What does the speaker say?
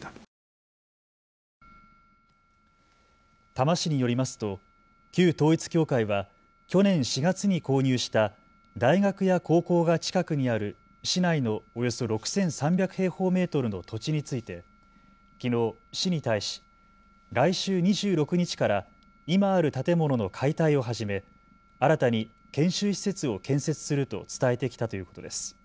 多摩市によりますと旧統一教会は去年４月に購入した大学や高校が近くにある市内のおよそ６３００平方メートルの土地についてきのう市に対し来週２６日から今ある建物の解体を始め新たに研修施設を建設すると伝えてきたということです。